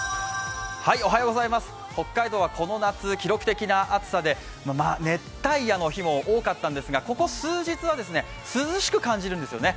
北海道はこの夏、記録的な暑さで熱帯夜の日も多かったんですがここ数日は涼しく感じるんですね。